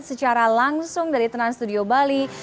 secara langsung dari trans studio bali